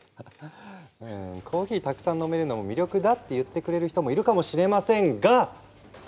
コーヒーたくさん飲めるのも魅力だって言ってくれる人もいるかもしれませんが！